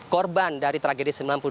korban dari tragedi sembilan puluh delapan